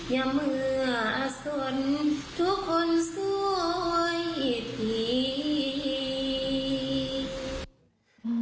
อย่าเมื่อสนทุกคนสวยผี